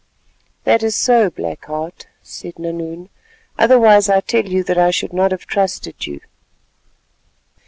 "That is so, Black Heart," said Nahoon, "otherwise I tell you that I should not have trusted you."